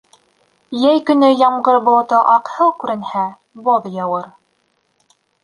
Йәй көнө ямғыр болото аҡһыл күренһә, боҙ яуыр.